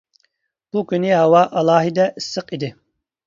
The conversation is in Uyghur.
بۇ كۈنى ھاۋا ئالاھىدە ئىسسىق ئىدى.